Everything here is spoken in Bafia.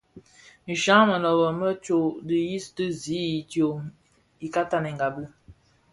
Nshya mënöbö më tsô dhiyis di zi idyom ika tanèngabi.